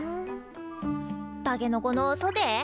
たけのこのソテー？